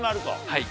はい。